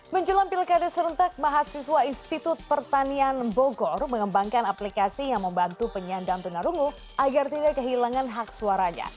menjelang pilkada serentak mahasiswa institut pertanian bogor mengembangkan aplikasi yang membantu penyandang tunarungu agar tidak kehilangan hak suaranya